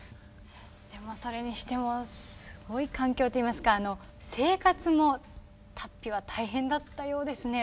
でもそれにしてもすごい環境といいますか生活も竜飛は大変だったようですね。